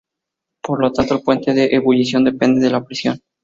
Por lo tanto, el punto de ebullición depende de la presión.